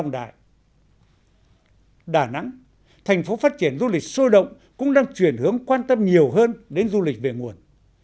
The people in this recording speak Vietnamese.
đà nẵng thành phố phát triển du lịch sôi động cũng đang chuyển hướng quan tâm nhiều hơn đến du lịch về nguồn